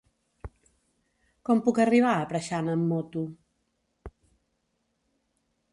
Com puc arribar a Preixana amb moto?